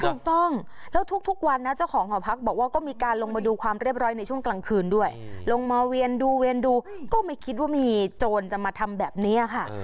ถูกต้องแล้วทุกวันนะเจ้าของหอพักบอกว่าก็มีการลงมาดูความเรียบร้อยในช่วงกลางคืนด้วยลงมาเวียนดูเวียนดูก็ไม่คิดว่ามีโจรจะมาทำแบบนี้ค่ะ